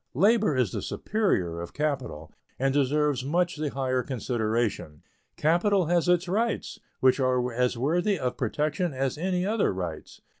Labor is the superior of capital, and deserves much the higher consideration. Capital has its rights, which are as worthy of protection as any other rights.